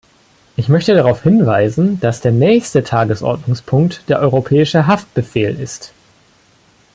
Ich möchte darauf hinweisen, dass der nächste Tagesordnungspunkt der Europäische Haftbefehl ist.